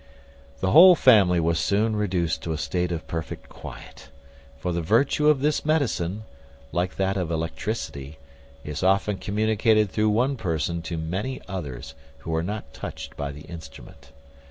The whole family were soon reduced to a state of perfect quiet; for the virtue of this medicine, like that of electricity, is often communicated through one person to many others, who are not touched by the instrument.